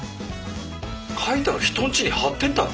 描いたの人んちに貼ってったの？